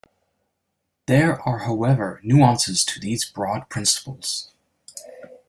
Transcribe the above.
There are however nuances to these broad principles.